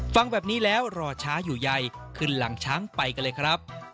ฟังแบบนี้แล้วรอช้าอยู่ใยขึ้นหลังช้างไปกันเลยครับ